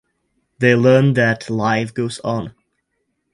They learn that life goes on.